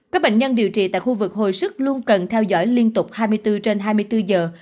các bệnh nhân điều trị tại khu vực hồi sức luôn cần theo dõi liên tục hai mươi bốn trên hai mươi bốn giờ